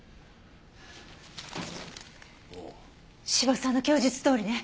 斯波さんの供述どおりね。